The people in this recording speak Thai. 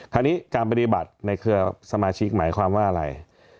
คราวนี้การปฏิบัติในเครือสมาชิกหมายความว่าอะไร